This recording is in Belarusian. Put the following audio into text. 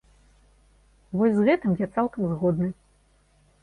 Вось з гэтым я цалкам згодны.